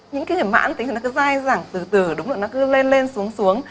những cái hiểm mãn tính thì nó cứ dai dẳng từ từ đúng là nó cứ lên lên xuống xuống